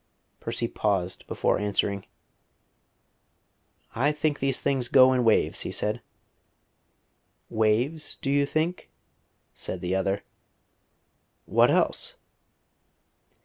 Percy paused before answering. "I think these things go in waves," he said. "Waves, do you think?" said the other. "What else?"